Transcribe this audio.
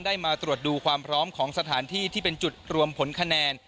มาตรวจดูความพร้อมของสถานที่ที่เป็นจุดรวมผลคะแนน